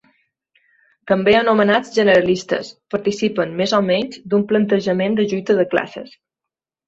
També anomenats generalistes, participen més o menys d'un plantejament de lluita de classes.